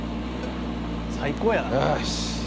最高やな。